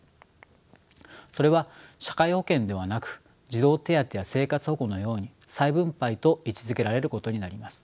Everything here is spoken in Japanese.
それは社会保険ではなく児童手当や生活保護のように再分配と位置づけられることになります。